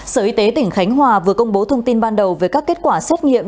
sở y tế tỉnh khánh hòa vừa công bố thông tin ban đầu về các kết quả xét nghiệm